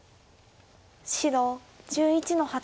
白１１の八。